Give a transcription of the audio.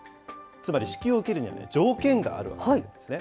つまり支給を受けるには条件があるわけなんですね。